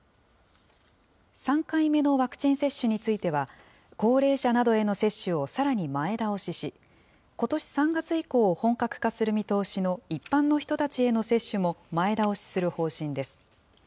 ３回目のワクチン接種については、高齢者などへの接種をさらに前倒しし、ことし３月以降、本格化する見通しの一般の人たちへの接種も前倒しする方針です。